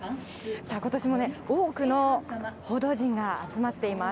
ことしも多くの報道陣が集まっています。